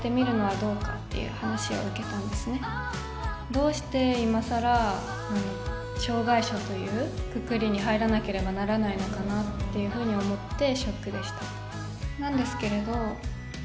どうして今更障がい者というくくりに入らなければならないのかなっていうふうに思ってショックでした。